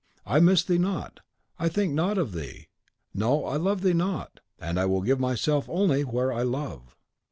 I miss thee not; I think not of thee: no, I love thee not; and I will give myself only where I love."